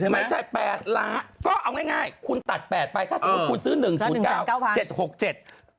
ไม่ใช่๘ล้านก็เอาง่ายคุณตัด๘ไปถ้าสมมุติคุณซื้อ๑แสน๙พัน๗๖๗